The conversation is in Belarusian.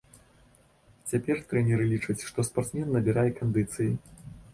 Цяпер трэнеры лічаць, што спартсмен набірае кандыцыі.